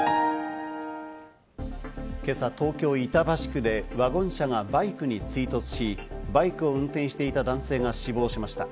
今朝、東京・板橋区でワゴン車がバイクに追突し、バイクを運転していた男性が死亡しました。